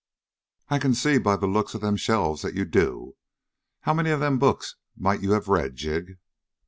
"I can see by the looks of them shelves that you do. How many of them books might you have read, Jig?"